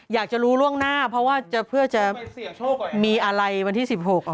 อยากจะรู้ล่วงหน้าเพราะว่าเพื่อจะมีอะไรวันที่๑๖